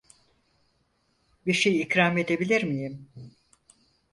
Bir şey ikram edebilir miyim?